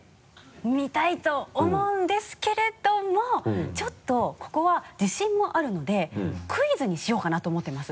見たいと思うんですけれどもちょっとここは自信もあるのでクイズにしようかなと思ってます。